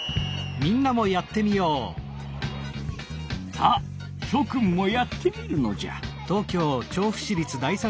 さあしょくんもやってみるのじゃ！